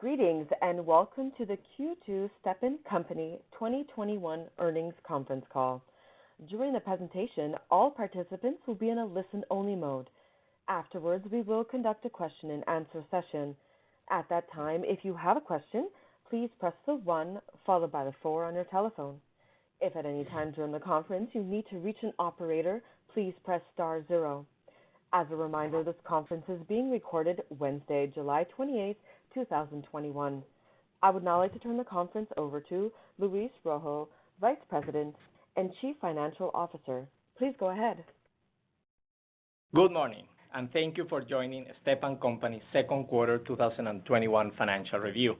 Greetings, and welcome to the Q2 Stepan Company 2021 earnings conference call. During the presentation, all participants will be in a listen only mode. Afterwards, we will conduct a Q&A session. At that time, if you have a question, please press the one followed by the four on your telephone. If at any time during the conference you need to reach an Operator, please press star zero. As a reminder this conference is being recorded Wednesday, July 28 2021. I would now like to turn the conference over to Luis Rojo, Vice President and Chief Financial Officer. Please go ahead. Good morning, thank you for joining Stepan Company's second quarter 2021 financial review.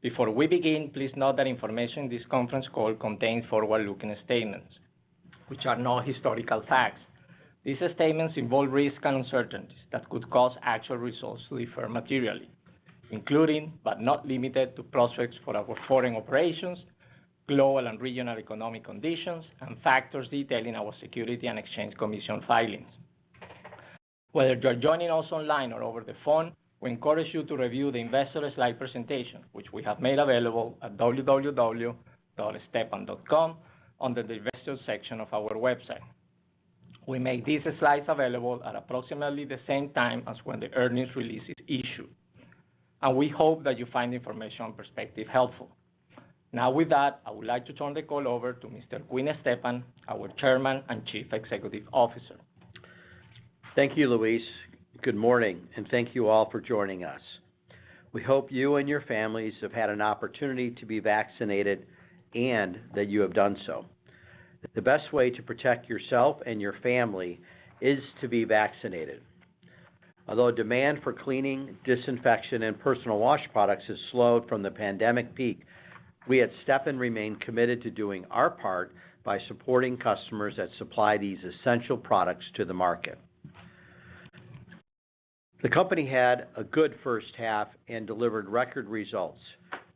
Before we begin, please note that information in this conference call contains forward-looking statements, which are not historical facts. These statements involve risks and uncertainties that could cause actual results to differ materially, including, but not limited to, prospects for our foreign operations, global and regional economic conditions, and factors detailed in our Securities and Exchange Commission filings. Whether you're joining us online or over the phone, we encourage you to review the investor slide presentation, which we have made available at www.stepan.com under the Investors section of our website. We made these slides available at approximately the same time as when the earnings release is issued, and we hope that you find the information perspective helpful. With that, I would like to turn the call over to Mr. Quinn Stepan, our Chairman and Chief Executive Officer. Thank you, Luis. Good morning, and thank you all for joining us. We hope you and your families have had an opportunity to be vaccinated and that you have done so. The best way to protect yourself and your family is to be vaccinated. Although demand for cleaning, disinfection, and personal wash products has slowed from the pandemic peak, we at Stepan remain committed to doing our part by supporting customers that supply these essential products to the market. The company had a good first half and delivered record results.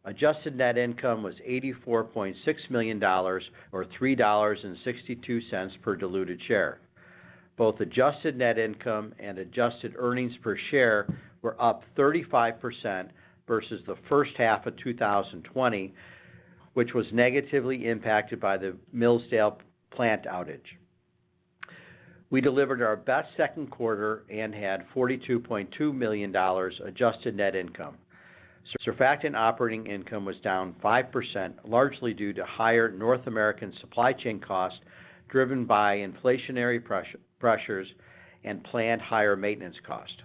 Adjusted net income was $84.6 million, or $3.62 per diluted share. Both adjusted net income and adjusted earnings per share were up 35% versus the first half of 2020, which was negatively impacted by the Millsdale plant outage. We delivered our best second quarter and had $42.2 million adjusted net income. Surfactant operating income was down 5%, largely due to higher North American supply chain costs driven by inflationary pressures and planned higher maintenance costs.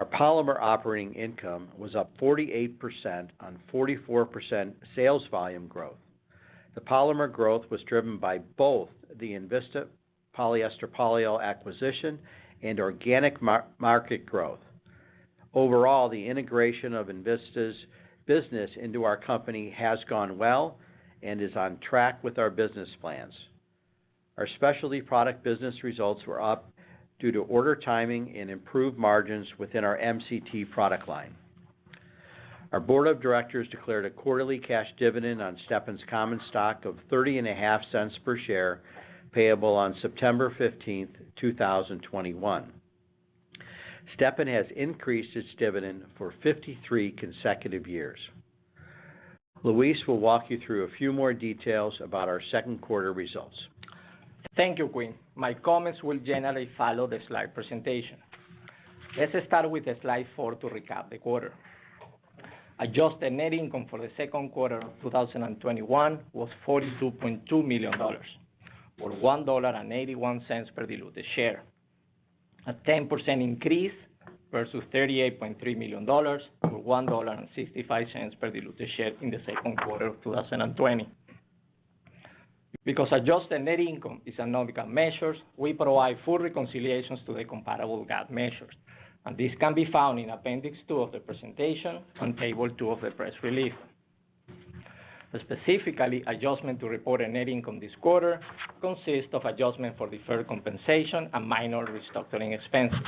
Our Polymer operating income was up 48% on 44% sales volume growth. The Polymer growth was driven by both the INVISTA polyester polyol acquisition and organic market growth. Overall, the integration of INVISTA's business into our company has gone well and is on track with our business plans. Our Specialty Products business results were up due to order timing and improved margins within our MCT product line. Our Board of Directors declared a quarterly cash dividend on Stepan's common stock of $0.305 per share, payable on September 15th, 2021. Stepan has increased its dividend for 53 consecutive years. Luis will walk you through a few more details about our second quarter results. Thank you, Quinn. My comments will generally follow the slide presentation. Let's start with slide four to recap the quarter. Adjusted net income for the second quarter of 2021 was $42.2 million, or $1.81 per diluted share. A 10% increase versus $38.3 million, or $1.65 per diluted share in the second quarter of 2020. Because adjusted net income is a non-GAAP measure, we provide full reconciliations to the comparable GAAP measures, and this can be found in appendix two of the presentation on table two of the press release. Specifically, adjustment to reported net income this quarter consists of adjustment for deferred compensation and minor restructuring expenses.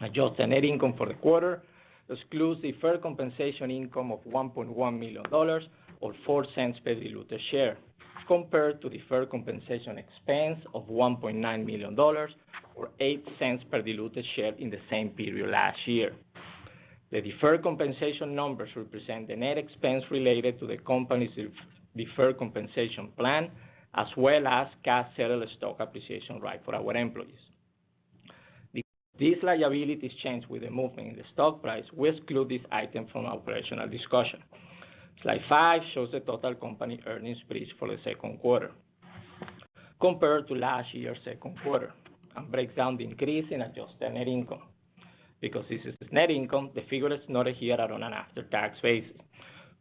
Adjusted net income for the quarter excludes deferred compensation income of $1.1 million, or $0.04 per diluted share, compared to deferred compensation expense of $1.9 million, or $0.08 per diluted share in the same period last year. The deferred compensation numbers represent the net expense related to the company's deferred compensation plan, as well as cash-settled stock appreciation right for our employees. These liabilities change with the movement in the stock price. We exclude this item from our operational discussion. Slide five shows the total company earnings bridge for the second quarter compared to last year's second quarter and breaks down the increase in adjusted net income. Because this is net income, the figures noted here are on an after-tax basis.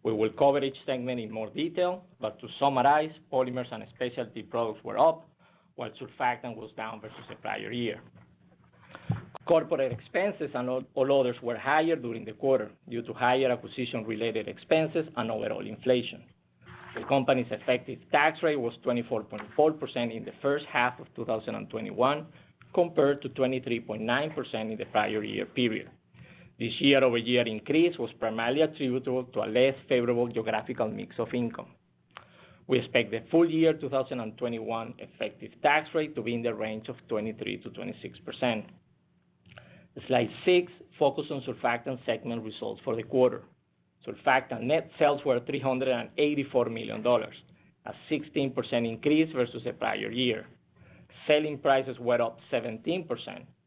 We will cover each segment in more detail, but to summarize, Polymers and Specialty Products were up while Surfactant was down versus the prior year. Corporate expenses and all others were higher during the quarter due to higher acquisition-related expenses and overall inflation. The company's effective tax rate was 24.4% in the first half of 2021, compared to 23.9% in the prior year period. This year-over-year increase was primarily attributable to a less favorable geographical mix of income. We expect the full year 2021 effective tax rate to be in the range of 23%-26%. Slide six focus on Surfactant segment results for the quarter. Surfactant net sales were $384 million, a 16% increase versus the prior year. Selling prices were up 17%,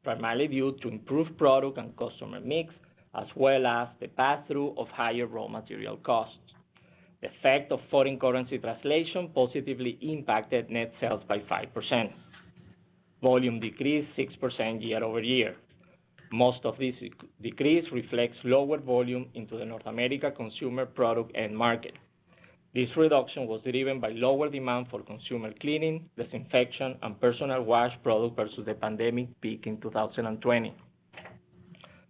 primarily due to improved product and customer mix, as well as the passthrough of higher raw material costs. The effect of foreign currency translation positively impacted net sales by 5%. Volume decreased 6% year-over-year. Most of this decrease reflects lower volume into the North America consumer product end market. This reduction was driven by lower demand for consumer cleaning, disinfection, and personal wash products versus the pandemic peak in 2020.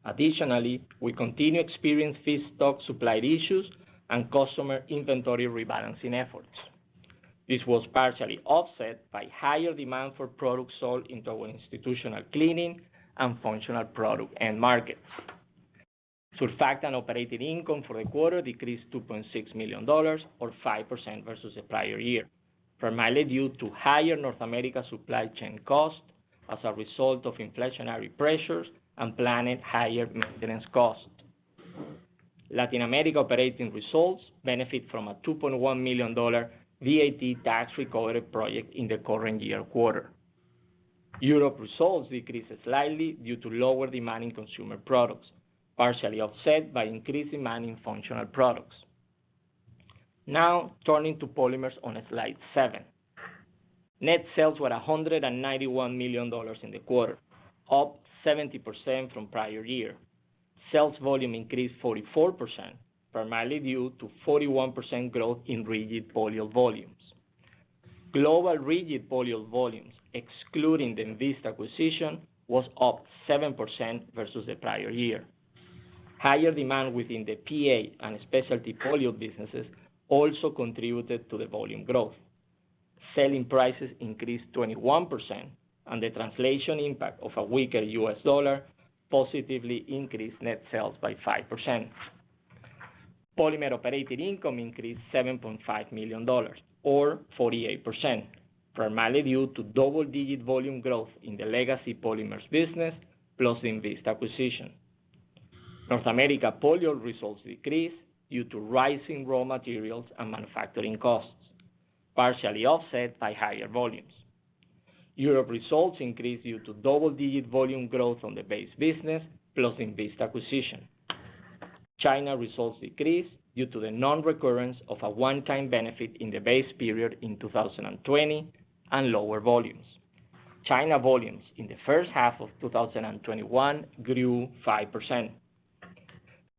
Additionally, we continue to experience feedstock supply issues and customer inventory rebalancing efforts. This was partially offset by higher demand for products sold into institutional cleaning and functional product end markets. Surfactant operating income for the quarter decreased to $2.6 million, or 5% versus the prior year, primarily due to higher North America supply chain costs as a result of inflationary pressures and planned higher maintenance costs. Latin America operating results benefit from a $2.1 million VAT tax recovery project in the current year quarter. Europe results decreased slightly due to lower demand in consumer products, partially offset by increased demand in functional products. Now turning to Polymers on slide seven. Net sales were $191 million in the quarter, up 70% from prior year. Sales volume increased 44%, primarily due to 41% growth in rigid polyol volumes. Global rigid polyol volumes, excluding the Invista acquisition, was up 7% versus the prior year. Higher demand within the PA and specialty polyols businesses also contributed to the volume growth. Selling prices increased 21%. The translation impact of a weaker U.S. dollar positively increased net sales by 5%. Polymers operating income increased $7.5 million or 48%, primarily due to double-digit volume growth in the legacy Polymers business, plus INVISTA acquisition. North America polyol results decreased due to rising raw materials and manufacturing costs, partially offset by higher volumes. Europe results increased due to double-digit volume growth on the base business, plus INVISTA acquisition. China results decreased due to the non-recurrence of a one-time benefit in the base period in 2020 and lower volumes. China volumes in the first half of 2021 grew 5%.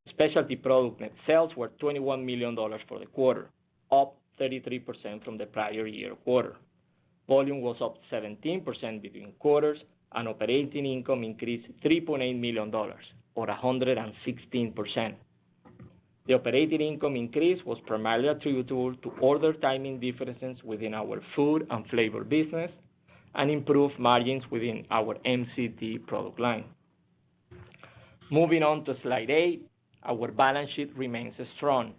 Specialty Products net sales were $21 million for the quarter, up 33% from the prior year quarter. Volume was up 17% between quarters. Operating income increased $3.8 million or 116%. The operating income increase was primarily attributable to order timing differences within our food and flavor business and improved margins within our MCT product line. Moving on to slide eight, our balance sheet remains strong,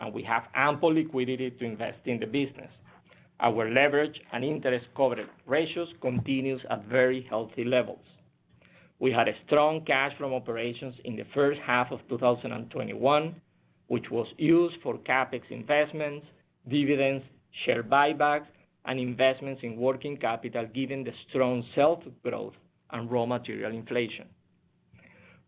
and we have ample liquidity to invest in the business. Our leverage and interest coverage ratios continues at very healthy levels. We had a strong cash from operations in the first half of 2021, which was used for CapEx investments, dividends, share buybacks, and investments in working capital given the strong sales growth and raw material inflation.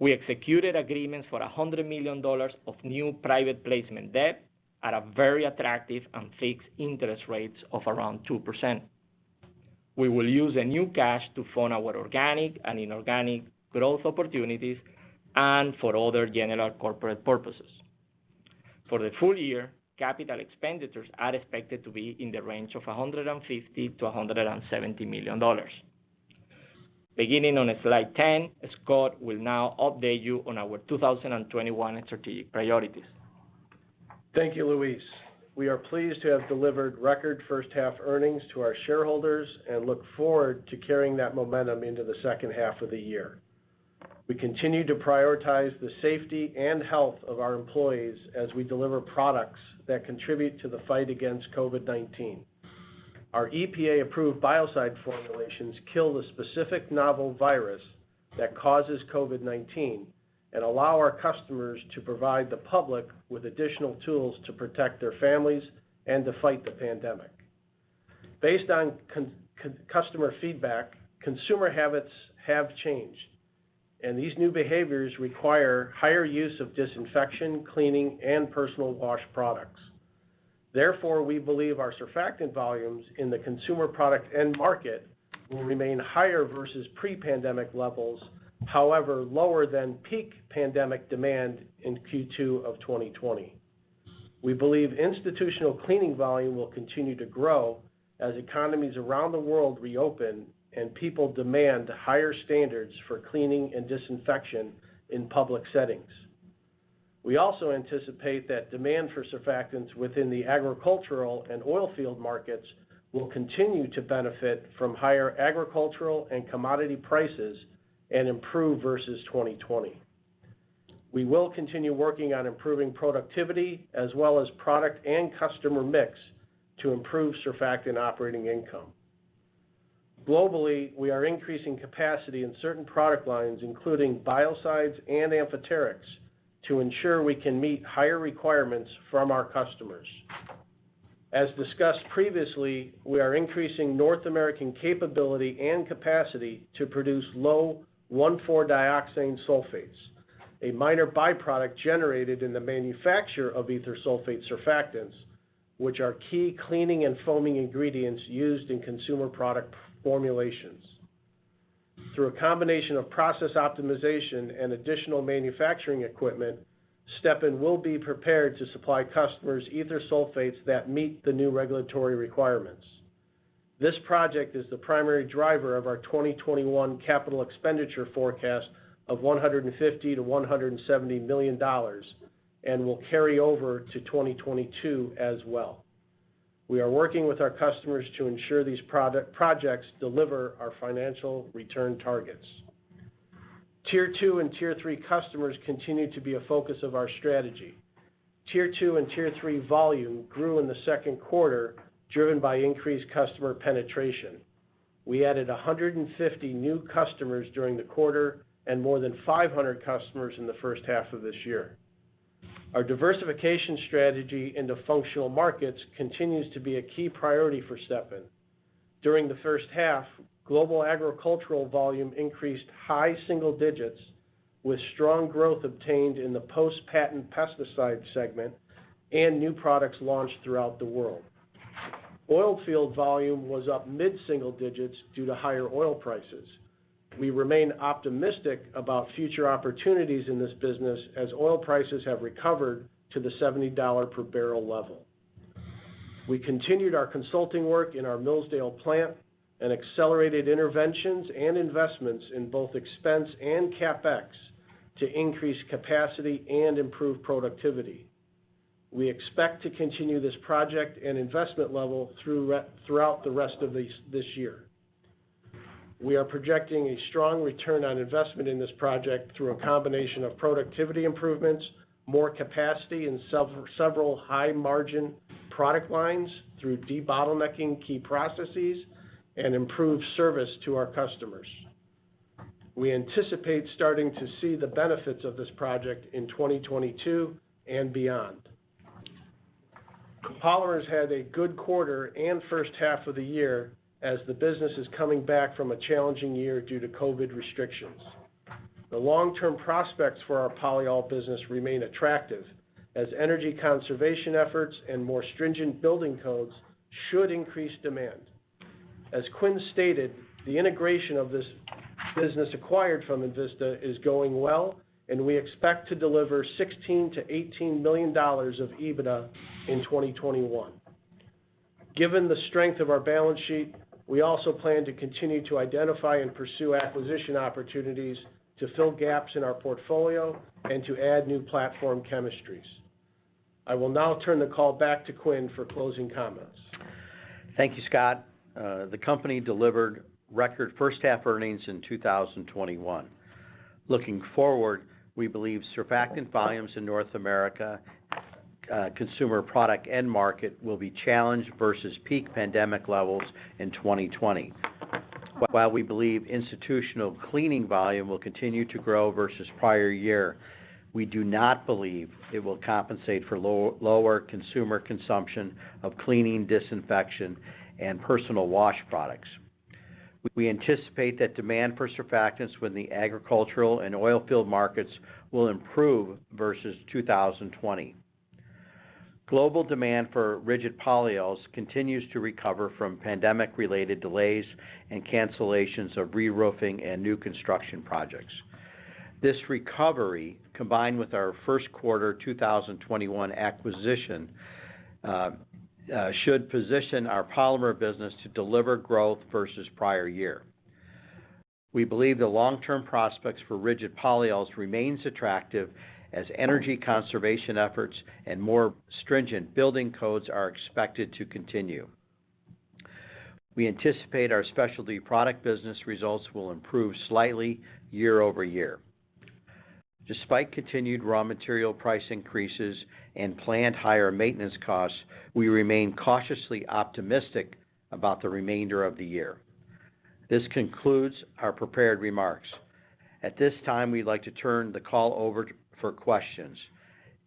We executed agreements for $100 million of new private placement debt at a very attractive and fixed interest rates of around 2%. We will use the new cash to fund our organic and inorganic growth opportunities and for other general corporate purposes. For the full year, capital expenditures are expected to be in the range of $150 million-$170 million. Beginning on slide 10, Scott will now update you on our 2021 strategic priorities. Thank you, Luis. We are pleased to have delivered record first half earnings to our shareholders and look forward to carrying that momentum into the second half of the year. We continue to prioritize the safety and health of our employees as we deliver products that contribute to the fight against COVID-19. Our EPA-approved biocide formulations kill the specific novel virus that causes COVID-19 and allow our customers to provide the public with additional tools to protect their families and to fight the pandemic. Based on customer feedback, consumer habits have changed, and these new behaviors require higher use of disinfection, cleaning, and personal wash products. Therefore, we believe our Surfactant volumes in the consumer product end market will remain higher versus pre-pandemic levels, however, lower than peak pandemic demand in Q2 of 2020. We believe institutional cleaning volume will continue to grow as economies around the world reopen and people demand higher standards for cleaning and disinfection in public settings. We also anticipate that demand for surfactants within the agricultural and oil field markets will continue to benefit from higher agricultural and commodity prices and improve versus 2020. We will continue working on improving productivity as well as product and customer mix to improve surfactant operating income. Globally, we are increasing capacity in certain product lines, including biocides and amphoterics, to ensure we can meet higher requirements from our customers. As discussed previously, we are increasing North American capability and capacity to produce low 1,4-dioxane sulfates, a minor byproduct generated in the manufacture of ether sulfate surfactants, which are key cleaning and foaming ingredients used in consumer product formulations. Through a combination of process optimization and additional manufacturing equipment, Stepan will be prepared to supply customers ether sulfates that meet the new regulatory requirements. This project is the primary driver of our 2021 capital expenditure forecast of $150 million-$170 million and will carry over to 2022 as well. We are working with our customers to ensure these projects deliver our financial return targets. Tier two and tier three customers continue to be a focus of our strategy. Tier two and tier three volume grew in the second quarter, driven by increased customer penetration. We added 150 new customers during the quarter and more than 500 customers in the first half of this year. Our diversification strategy into functional markets continues to be a key priority for Stepan. During the first half, global agricultural volume increased high single digits, with strong growth obtained in the post-patent pesticide segment and new products launched throughout the world. Oilfield volume was up mid-single digits due to higher oil prices. We remain optimistic about future opportunities in this business as oil prices have recovered to the $70 per barrel level. We continued our consulting work in our Millsdale plant and accelerated interventions and investments in both expense and CapEx to increase capacity and improve productivity. We expect to continue this project and investment level throughout the rest of this year. We are projecting a strong return on investment in this project through a combination of productivity improvements, more capacity in several high-margin product lines through debottlenecking key processes, and improved service to our customers. We anticipate starting to see the benefits of this project in 2022 and beyond. Polymers had a good quarter and first half of the year as the business is coming back from a challenging year due to COVID restrictions. The long-term prospects for our polyol business remain attractive, as energy conservation efforts and more stringent building codes should increase demand. As Quinn stated, the integration of this business acquired from INVISTA is going well, and we expect to deliver $16 million-$18 million of EBITDA in 2021. Given the strength of our balance sheet, we also plan to continue to identify and pursue acquisition opportunities to fill gaps in our portfolio and to add new platform chemistries. I will now turn the call back to Quinn for closing comments. Thank you, Scott. The company delivered record first half earnings in 2021. Looking forward, we believe surfactant volumes in North America consumer product end market will be challenged versus peak pandemic levels in 2020. While we believe institutional cleaning volume will continue to grow versus prior year, we do not believe it will compensate for lower consumer consumption of cleaning, disinfection, and personal wash products. We anticipate that demand for surfactants with the agricultural and oilfield markets will improve versus 2020. Global demand for rigid polyols continues to recover from pandemic-related delays and cancellations of reroofing and new construction projects. This recovery, combined with our first quarter 2021 acquisition, should position our Polymers business to deliver growth versus the prior year. We believe the long-term prospects for rigid polyols remains attractive as energy conservation efforts and more stringent building codes are expected to continue. We anticipate our Specialty Products business results will improve slightly year-over-year. Despite continued raw material price increases and planned higher maintenance costs, we remain cautiously optimistic about the remainder of the year. This concludes our prepared remarks. At this time, we'd like to turn the call over for questions.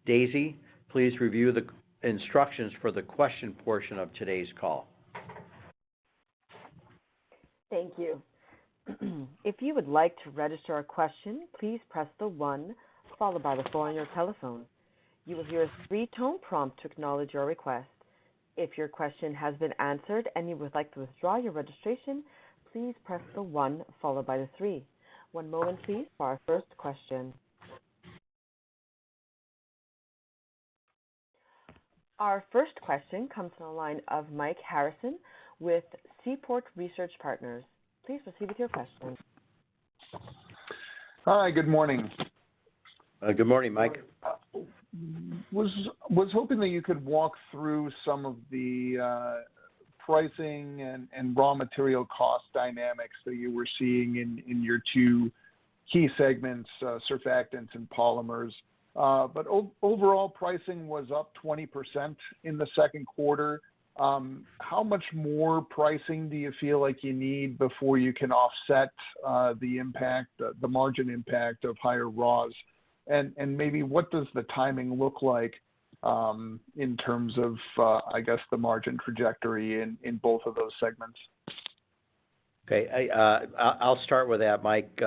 Daisy, please review the instructions for the question portion of today's call. Thank you. If you would like to register a question, please press the one followed by the four on your telephone. You will hear a three tone prompt to acknowledge your request. If your question has been answered and you would like to withdraw your registration, please press the one followed by the three. One moment please for our first question. Our first question comes on the line of Mike Harrison with Seaport Research Partners. Please proceed with your question. Hi, good morning. Good morning, Mike. Was hoping that you could walk through some of the pricing and raw material cost dynamics that you were seeing in your two key segments, Surfactants and Polymers. Overall pricing was up 20% in the second quarter. How much more pricing do you feel like you need before you can offset the margin impact of higher raws? Maybe what does the timing look like, in terms of, I guess, the margin trajectory in both of those segments? Okay. I'll start with that, Mike.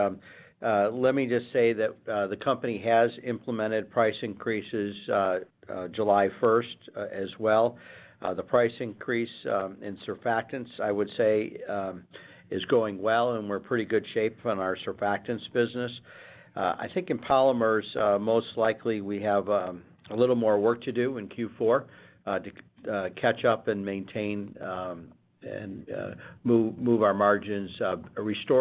Let me just say that the company has implemented price increases July 1st as well. The price increase in Surfactants, I would say, is going well, and we're in pretty good shape on our Surfactants business. I think in Polymers, most likely we have a little more work to do in Q4 to catch up and maintain and restore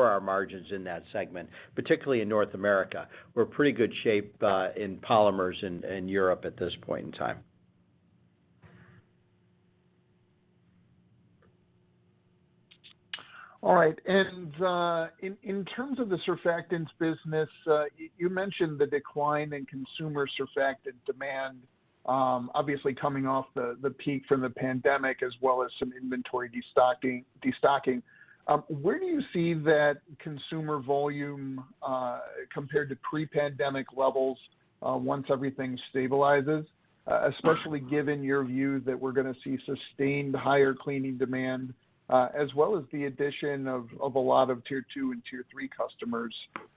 our margins in that segment, particularly in North America. We're in pretty good shape in Polymers in Europe at this point in time. All right. In terms of the Surfactants business, you mentioned the decline in consumer surfactant demand, obviously coming off the peak from the pandemic as well as some inventory destocking. Where do you see that consumer volume compared to pre-pandemic levels once everything stabilizes, especially given your view that we're going to see sustained higher cleaning demand, as well as the addition of a lot of tier two and tier three customers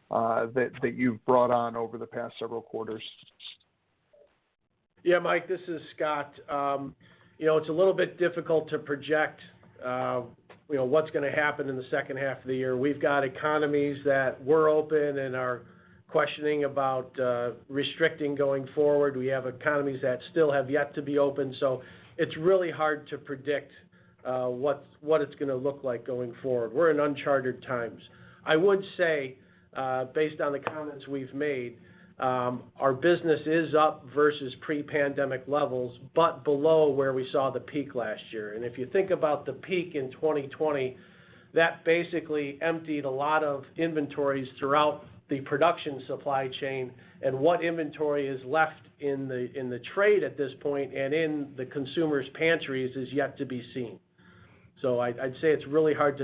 that you've brought on over the past several quarters? Yeah, Mike, this is Scott. It's a little bit difficult to project what's going to happen in the second half of the year. We've got economies that were open and are questioning about restricting going forward. We have economies that still have yet to be open. It's really hard to predict what it's going to look like going forward. We're in uncharted times. I would say, based on the comments we've made, our business is up versus pre-pandemic levels, but below where we saw the peak last year. If you think about the peak in 2020, that basically emptied a lot of inventories throughout the production supply chain, and what inventory is left in the trade at this point and in the consumers' pantries is yet to be seen. I'd say it's really hard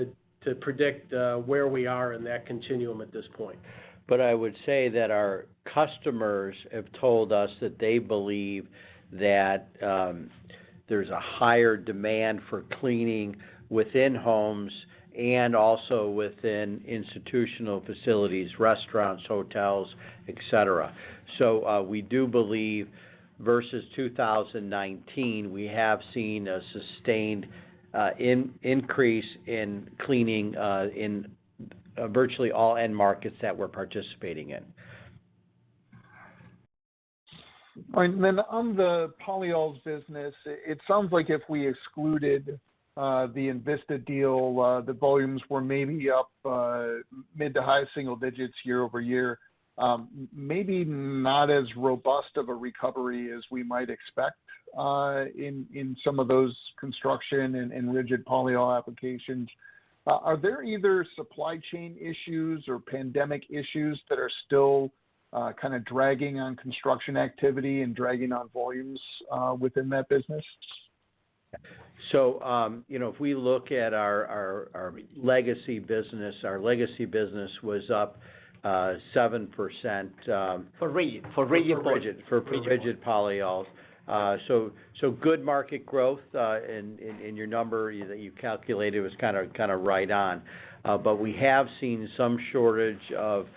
to predict where we are in that continuum at this point. I would say that our customers have told us that they believe that there's a higher demand for cleaning within homes and also within institutional facilities, restaurants, hotels, et cetera. We do believe versus 2019, we have seen a sustained increase in cleaning in virtually all end markets that we're participating in. All right. On the polyols business, it sounds like if we excluded the INVISTA deal, the volumes were maybe up mid to high single digits year-over-year. Maybe not as robust of a recovery as we might expect in some of those construction and rigid polyol applications. Are there either supply chain issues or pandemic issues that are still kind of dragging on construction activity and dragging on volumes within that business? If we look at our legacy business, our legacy business was up 7%. For rigid. For rigid polyols. Good market growth in your number that you calculated was kind of right on. We have seen some shortage of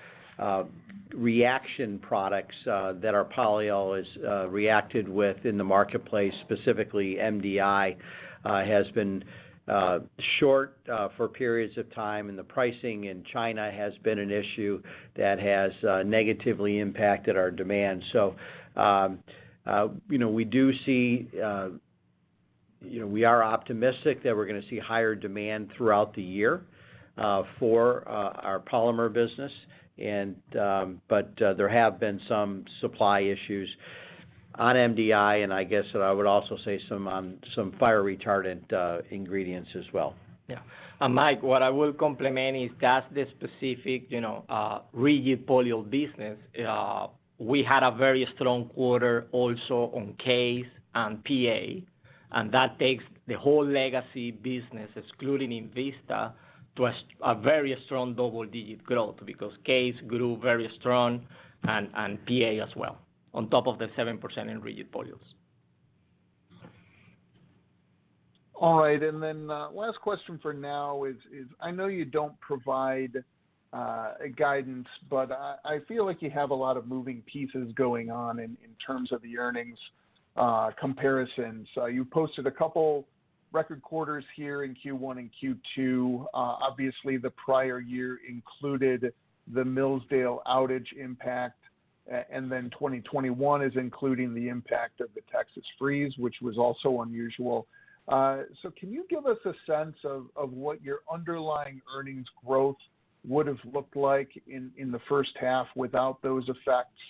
reaction products that our polyol is reacted with in the marketplace. Specifically, MDI has been short for periods of time, and the pricing in China has been an issue that has negatively impacted our demand. We are optimistic that we're going to see higher demand throughout the year for our Polymers business. There have been some supply issues on MDI, and I guess that I would also say some fire retardant ingredients as well. Yeah. Mike, what I will complement is that the specific Rigid Polyol business we had a very strong quarter also on CASE and PA, and that takes the whole legacy business, excluding INVISTA, to a very strong double-digit growth because CASE grew very strong and PA as well, on top of the 7% in rigid polyols. Last question for now is I know you don't provide guidance, but I feel like you have a lot of moving pieces going on in terms of the earnings comparisons. You posted a couple record quarters here in Q1 and Q2. Obviously, the prior year included the Millsdale outage impact, and then 2021 is including the impact of Texas freeze, which was also unusual. Can you give us a sense of what your underlying earnings growth would've looked like in the first half without those effects?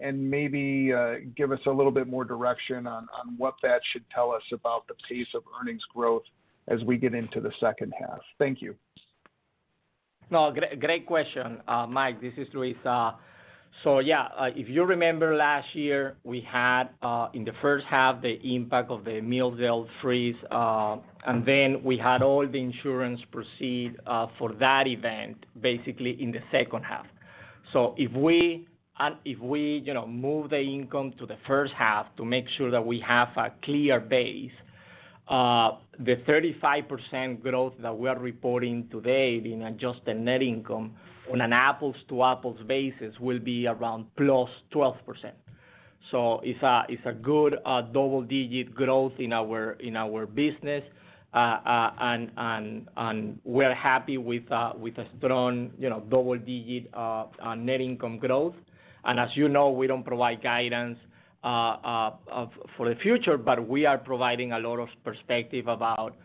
Maybe give us a little bit more direction on what that should tell us about the pace of earnings growth as we get into the second half. Thank you. No, great question. Mike, this is Luis. Yeah. If you remember last year, we had, in the first half, the impact of the Millsdale freeze. Then we had all the insurance proceed for that event basically in the second half. If we move the income to the first half to make sure that we have a clear base, the 35% growth that we are reporting today in adjusted net income on an apples-to-apples basis will be around +12%. It's a good double-digit growth in our business. We're happy with a strong double-digit net income growth. As you know, we don't provide guidance for the future, but we are providing a lot of perspective about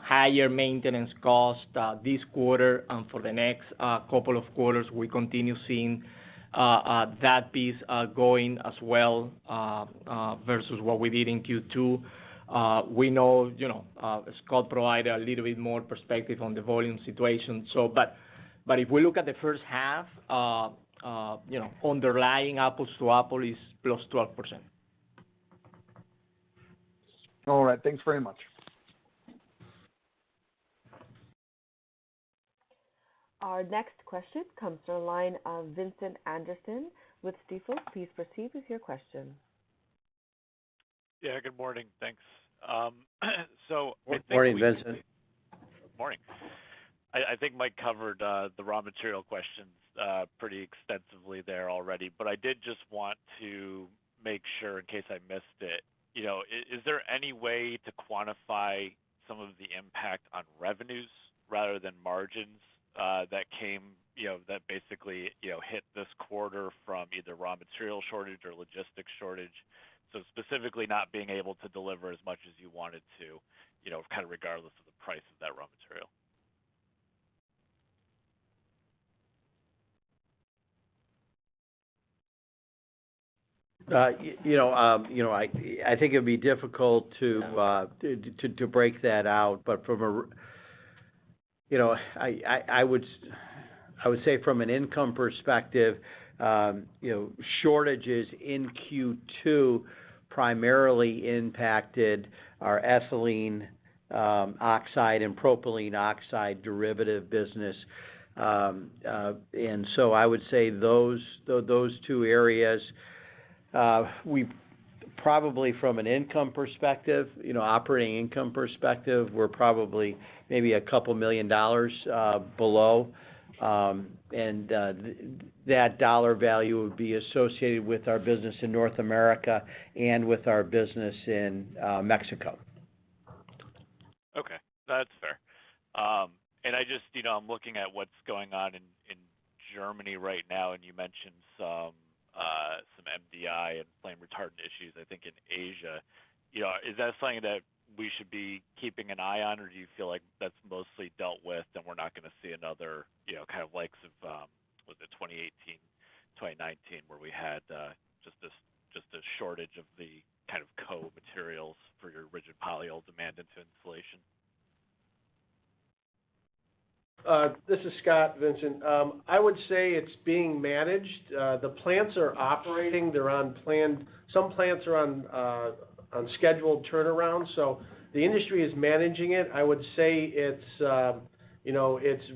higher maintenance cost, this quarter and for the next couple of quarters. We continue seeing that piece going as well, versus what we did in Q2. Scott provided a little bit more perspective on the volume situation. If we look at the first half, underlying apples to apples is +12%. All right. Thanks very much. Our next question comes to the line of Vincent Anderson with Stifel. Please proceed with your question. Yeah, good morning. Thanks. Good morning, Vincent. Morning. I think Mike covered the raw material questions pretty extensively there already. I did just want to make sure in case I missed it. Is there any way to quantify some of the impact on revenues rather than margins that basically hit this quarter from either raw material shortage or logistics shortage, specifically not being able to deliver as much as you wanted to, kind of regardless of the price of that raw material? I think it'd be difficult to break that out. I would say from an income perspective, shortages in Q2 primarily impacted our ethylene oxide and propylene oxide derivative business. I would say those two areas. We probably from an income perspective, operating income perspective, we're probably maybe $2 million below. That dollar value would be associated with our business in North America and with our business in Mexico. Okay. That's fair. I'm looking at what's going on in Germany right now, and you mentioned some MDI and flame retardant issues, I think, in Asia. Is that something that we should be keeping an eye on, or do you feel like that's mostly dealt with and we're not going to see another kind of likes of, was it 2018, 2019, where we had just a shortage of the kind of co-materials for your rigid polyol demand into insulation? This is Scott, Vincent. I would say it's being managed. The plants are operating. Some plants are on scheduled turnaround. The industry is managing it. I would say it's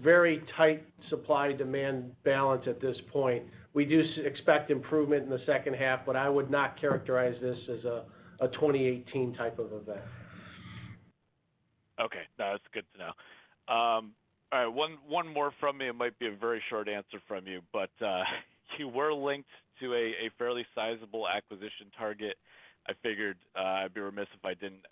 very tight supply-demand balance at this point. We do expect improvement in the second half, but I would not characterize this as a 2018 type of event. Okay. No, that's good to know. All right, one more from me. It might be a very short answer from you, but you were linked to a fairly sizable acquisition target. I figured I'd be remiss if I didn't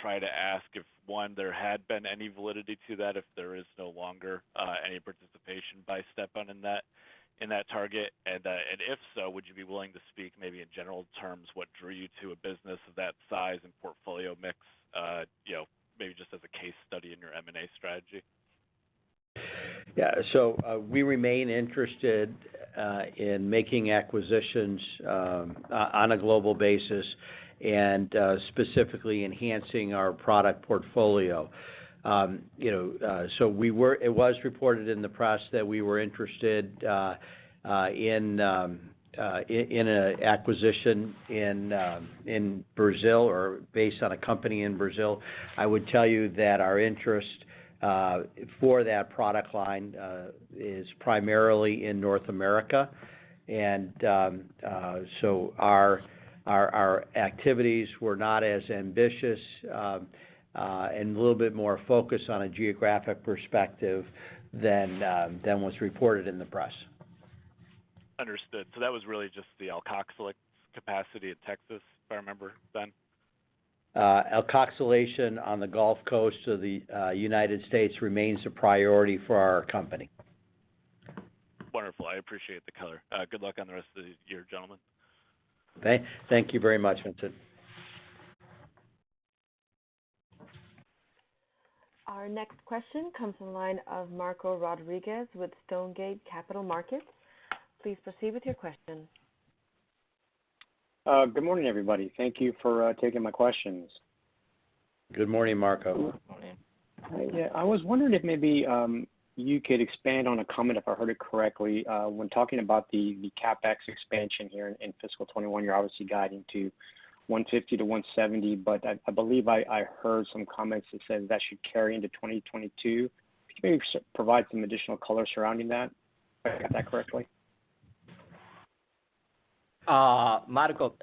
try to ask if, one, there had been any validity to that, if there is no longer any participation by Stepan in that target. If so, would you be willing to speak maybe in general terms what drew you to a business of that size and portfolio mix maybe just as a case study in your M&A strategy? Yeah. We remain interested in making acquisitions on a global basis and specifically enhancing our product portfolio. It was reported in the press that we were interested in an acquisition in Brazil or based on a company in Brazil. I would tell you that our interest for that product line is primarily in North America. Our activities were not as ambitious and a little bit more focused on a geographic perspective than was reported in the press. Understood. That was really just the alkoxylate capacity at Texas, if I remember, then? Alkoxylation on the Gulf Coast of the United States remains a priority for our company. Wonderful. I appreciate the color. Good luck on the rest of the year, gentlemen. Okay. Thank you very much, Vincent. Our next question comes from the line of Marco Rodriguez with Stonegate Capital Markets. Please proceed with your question. Good morning, everybody. Thank you for taking my questions. Good morning, Marco. Good morning. Yeah. I was wondering if maybe you could expand on a comment, if I heard it correctly, when talking about the CapEx expansion here in fiscal 2021. You're obviously guiding to $150 million-$170 million, but I believe I heard some comments that said that should carry into 2022. Could you maybe provide some additional color surrounding that, if I got that correctly? Marco,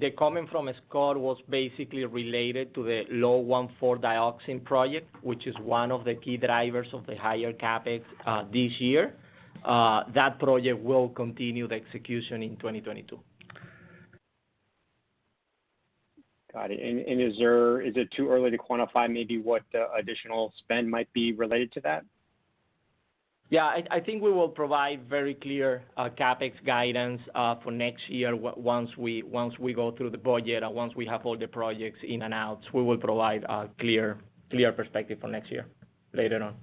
the comment from Scott was basically related to the low 1,4-dioxane project, which is one of the key drivers of the higher CapEx this year. That project will continue the execution in 2022. Got it. Is it too early to quantify maybe what the additional spend might be related to that? Yeah, I think we will provide very clear CapEx guidance for next year once we go through the budget. Once we have all the projects in and out, we will provide a clear perspective for next year later on.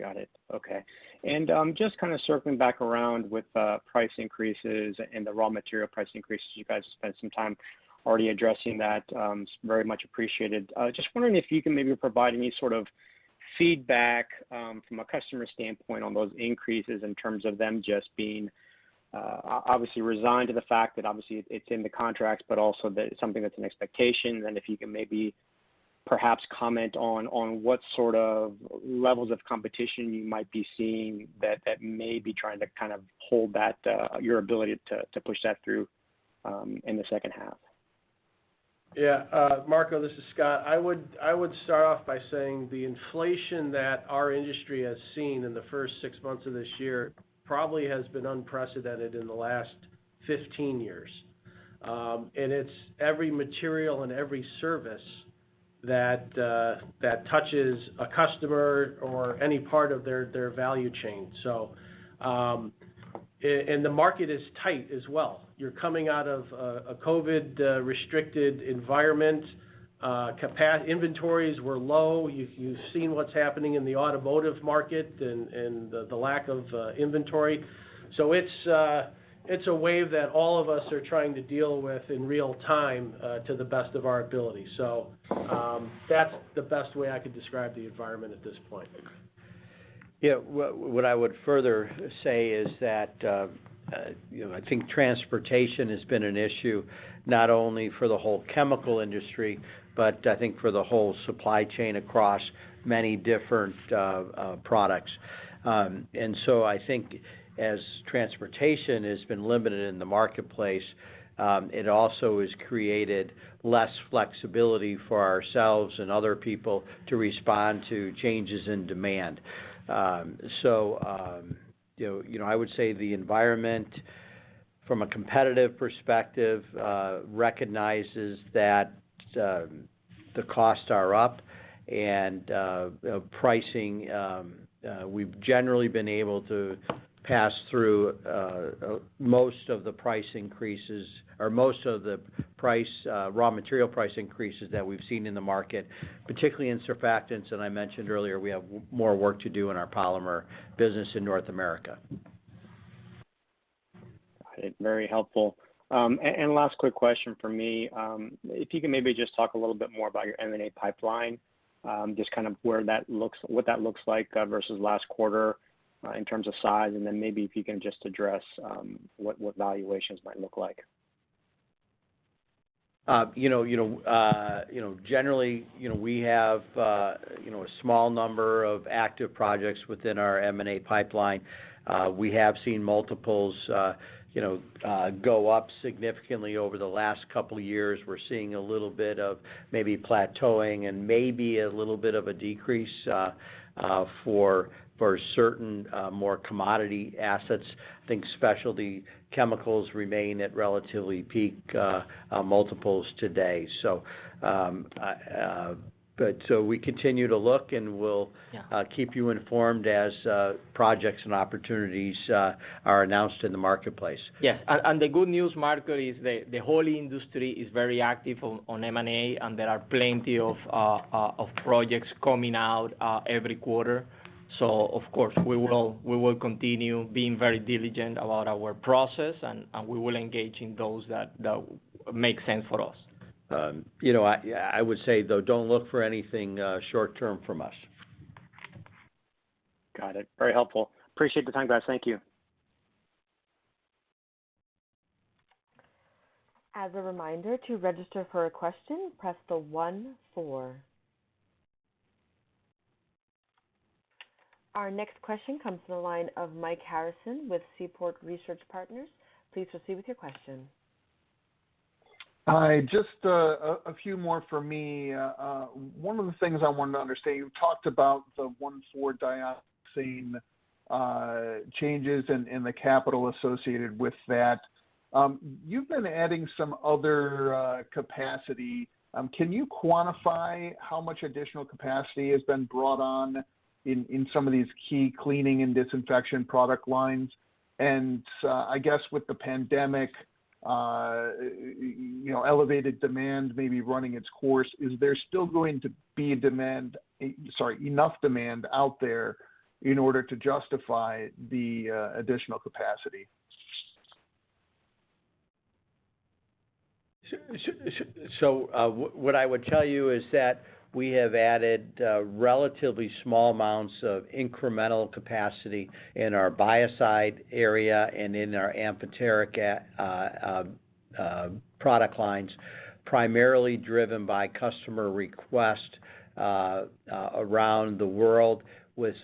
Got it. Okay. Just kind of circling back around with price increases and the raw material price increases. You guys have spent some time already addressing that. It's very much appreciated. Just wondering if you can maybe provide any sort of feedback, from a customer standpoint, on those increases in terms of them just being obviously resigned to the fact that obviously it's in the contracts, but also that it's something that's an expectation. If you can maybe perhaps comment on what sort of levels of competition you might be seeing that may be trying to kind of hold your ability to push that through in the second half. Marco, this is Scott. I would start off by saying the inflation that our industry has seen in the first six months of this year probably has been unprecedented in the last 15 years. It's every material and every service that touches a customer or any part of their value chain. The market is tight as well. You're coming out of a COVID restricted environment. Inventories were low. You've seen what's happening in the automotive market and the lack of inventory. It's a wave that all of us are trying to deal with in real time to the best of our ability. That's the best way I could describe the environment at this point. What I would further say is that I think transportation has been an issue not only for the whole chemical industry, but I think for the whole supply chain across many different products. I think as transportation has been limited in the marketplace, it also has created less flexibility for ourselves and other people to respond to changes in demand. I would say the environment from a competitive perspective recognizes that the costs are up and pricing, we've generally been able to pass through most of the price increases or most of the raw material price increases that we've seen in the market, particularly in Surfactants that I mentioned earlier. We have more work to do in our Polymers business in North America. Got it. Very helpful. Last quick question from me. If you can maybe just talk a little bit more about your M&A pipeline, just kind of what that looks like versus last quarter in terms of size, and then maybe if you can just address what valuations might look like. Generally, we have a small number of active projects within our M&A pipeline. We have seen multiples go up significantly over the last couple of years. We're seeing a little bit of maybe plateauing and maybe a little bit of a decrease for certain more commodity assets. I think specialty chemicals remain at relatively peak multiples today. We continue to look, and we'll keep you informed as projects and opportunities are announced in the marketplace. Yes. The good news, Marco, is the whole industry is very active on M&A, and there are plenty of projects coming out every quarter. Of course, we will continue being very diligent about our process, and we will engage in those that make sense for us. I would say, though, don't look for anything short term from us. Got it. Very helpful. Appreciate the time, guys. Thank you. As a reminder, to register for a question, press the one four. Our next question comes from the line of Mike Harrison with Seaport Research Partners. Please proceed with your question. Hi. Just a few more from me. One of the things I wanted to understand, you talked about the 1,4-dioxane changes and the capital associated with that. You've been adding some other capacity. Can you quantify how much additional capacity has been brought on in some of these key cleaning and disinfection product lines? I guess with the pandemic, elevated demand maybe running its course, is there still going to be enough demand out there in order to justify the additional capacity? What I would tell you is that we have added relatively small amounts of incremental capacity in our biocide area and in our amphoteric product lines, primarily driven by customer request around the world with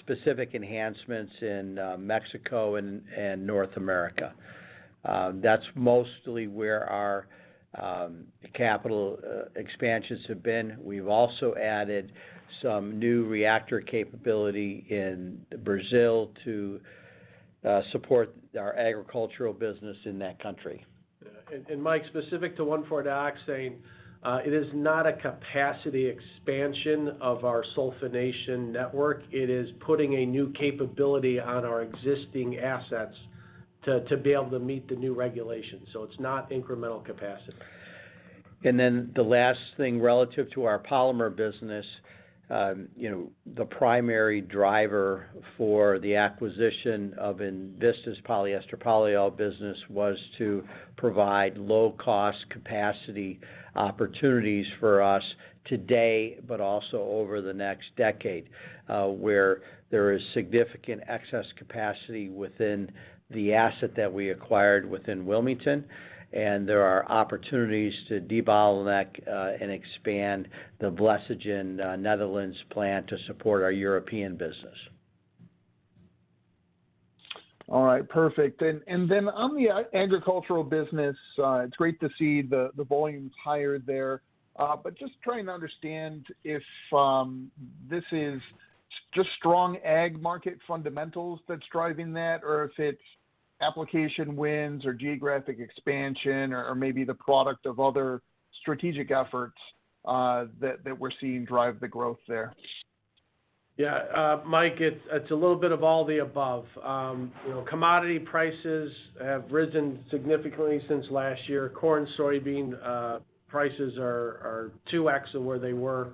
specific enhancements in Mexico and North America. That's mostly where our capital expansions have been. We've also added some new reactor capability in Brazil to support our agricultural business in that country. Mike, specific to 1,4-dioxane, it is not a capacity expansion of our sulfonation network. It is putting a new capability on our existing assets to be able to meet the new regulations. It's not incremental capacity. The last thing, relative to our Polymers business, the primary driver for the acquisition of INVISTA's polyester polyol business was to provide low-cost capacity opportunities for us today, but also over the next decade, where there is significant excess capacity within the asset that we acquired within Wilmington, and there are opportunities to debottleneck, and expand the Vlissingen, Netherlands plant to support our European business. All right. Perfect. On the agricultural business, it's great to see the volumes higher there. Just trying to understand if this is just strong ag market fundamentals that's driving that, or if it's application wins or geographic expansion or maybe the product of other strategic efforts that we're seeing drive the growth there. Yeah. Mike, it's a little bit of all the above. Commodity prices have risen significantly since last year. Corn, soybean prices are 2x of where they were.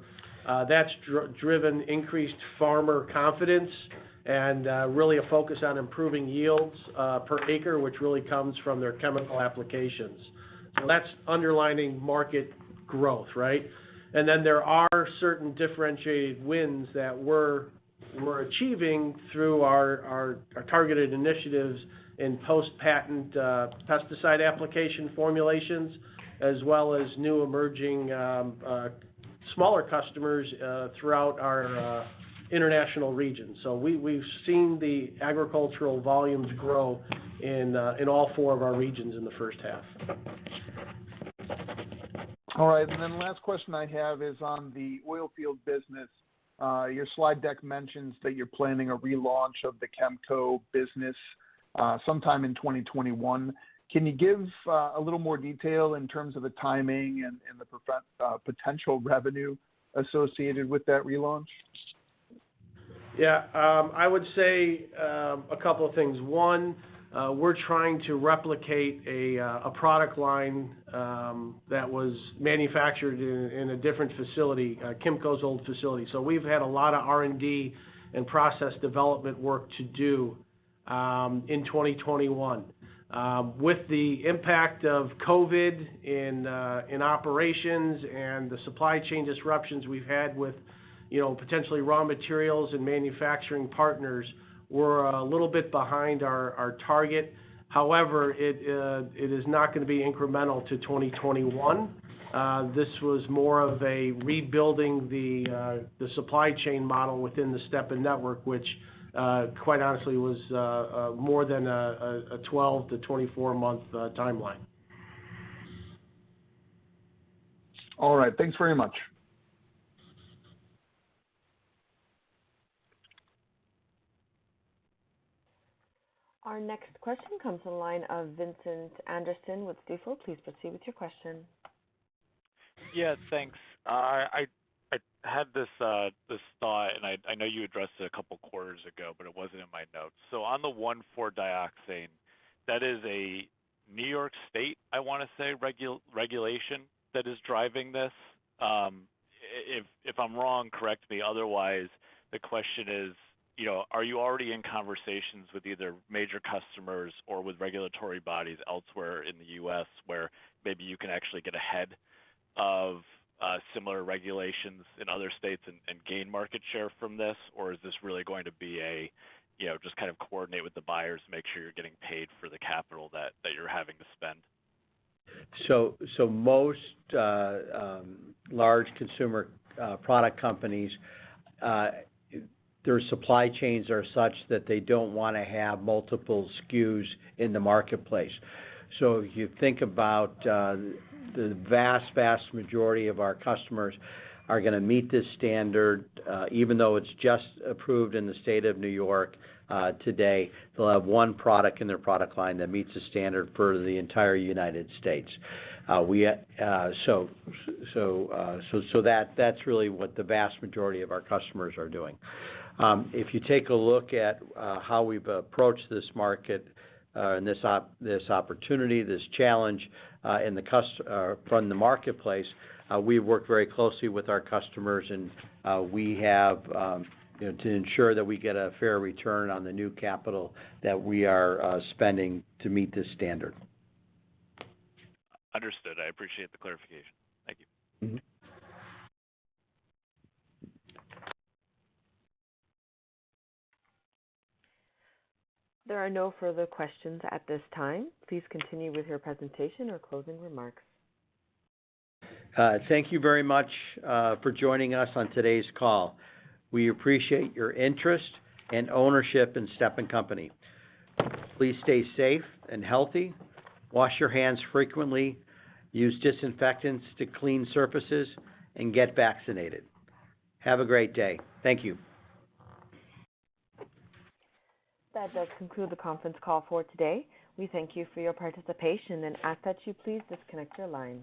That's driven increased farmer confidence and really a focus on improving yields per acre, which really comes from their chemical applications. That's underlining market growth, right? And then there are certain differentiated wins that we're achieving through our targeted initiatives in post-patent pesticide application formulations, as well as new emerging smaller customers throughout our international regions. We've seen the agricultural volumes grow in all four of our regions in the first half. All right, then last question I have is on the oil field business. Your slide deck mentions that you're planning a relaunch of the KMCO business sometime in 2021. Can you give a little more detail in terms of the timing and the potential revenue associated with that relaunch? I would say a couple of things. One, we're trying to replicate a product line that was manufactured in a different facility, KMCO's old facility. We've had a lot of R&D and process development work to do in 2021. With the impact of COVID in operations and the supply chain disruptions we've had with potentially raw materials and manufacturing partners, we're a little bit behind our target. It is not going to be incremental to 2021. This was more of a rebuilding the supply chain model within the Stepan network, which quite honestly was more than a 12 to 24-month timeline. All right. Thanks very much. Our next question comes from the line of Vincent Anderson with Stifel. Please proceed with your question. Yeah. Thanks. I had this thought, and I know you addressed it a couple of quarters ago, but it wasn't in my notes. On the 1,4-dioxane, that is a New York State, I want to say, regulation that is driving this. If I'm wrong, correct me. Otherwise, the question is, are you already in conversations with either major customers or with regulatory bodies elsewhere in the U.S. where maybe you can actually get ahead of similar regulations in other states and gain market share from this? Is this really going to be a just kind of coordinate with the buyers, make sure you're getting paid for the capital that you're having to spend? Most large consumer product companies, their supply chains are such that they don't want to have multiple SKUs in the marketplace. If you think about the vast majority of our customers are going to meet this standard, even though it's just approved in the state of New York today, they'll have one product in their product line that meets the standard for the entire United States. That's really what the vast majority of our customers are doing. If you take a look at how we've approached this market and this opportunity, this challenge from the marketplace, we work very closely with our customers to ensure that we get a fair return on the new capital that we are spending to meet this standard. Understood. I appreciate the clarification. Thank you. There are no further questions at this time. Please continue with your presentation or closing remarks. Thank you very much for joining us on today's call. We appreciate your interest and ownership in Stepan Company. Please stay safe and healthy, wash your hands frequently, use disinfectants to clean surfaces, and get vaccinated. Have a great day. Thank you. That does conclude the conference call for today. We thank you for your participation and ask that you please disconnect your lines.